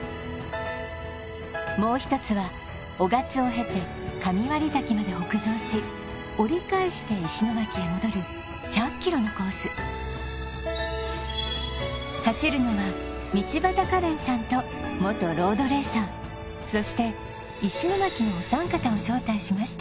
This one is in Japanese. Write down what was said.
もう１つは雄勝をへて神割崎まで北上し折り返して石巻へ戻る１００ｋｍのコース走るのは道端カレンさんと元ロードレーサーそして石巻のお三方を招待しました